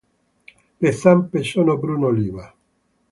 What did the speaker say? Le zampe sono bruno-oliva.